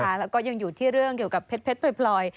แล้วก็ยังอยู่ที่เรื่องเกี่ยวกับเพชรพลอย